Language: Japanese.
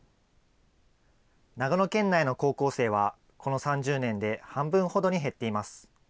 長野県内の高校生は、この３０年で半分ほどに減っています。